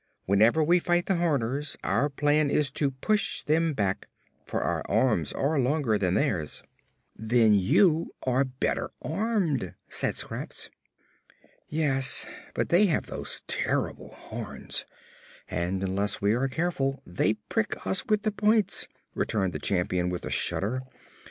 "Whenever we fight the Horners, our plan is to push them back, for our arms are longer than theirs." "Then you are better armed," said Scraps. "Yes; but they have those terrible horns, and unless we are careful they prick us with the points," returned the Champion with a shudder.